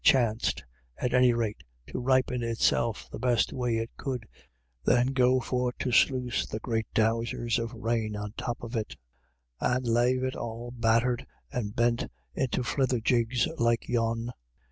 chanst, at any rate, to ripen itself the best way it could, than go for to sluice the great dowses of rain on top of it, and lave it all battered and bet into flittherjigs like yon."